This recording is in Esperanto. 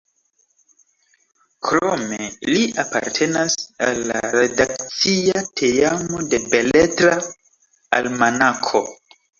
Krome, li apartenas al la redakcia teamo de Beletra Almanako.